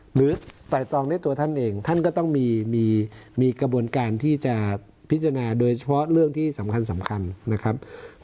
ไต่ตองด้วยตัวท่านเองท่านก็ต้องมีกระบวนการที่จะพิจารณาโดยเฉพาะเรื่องที่สำคัญนะครับ